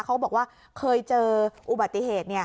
เขาบอกว่าเคยเจออุบัติเหตุ